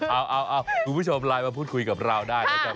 เอาคุณผู้ชมไลน์มาพูดคุยกับเราได้นะครับ